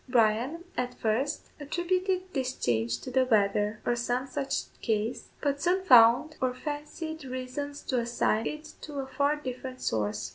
Bryan, at first, attributed this change to the weather, or some such cause, but soon found or fancied reasons to assign it to a far different source.